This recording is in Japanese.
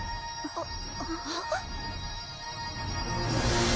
あっ。